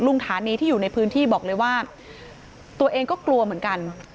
ฐานีที่อยู่ในพื้นที่บอกเลยว่าตัวเองก็กลัวเหมือนกัน